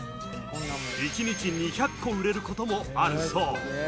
１日２００個売れることもあるそう。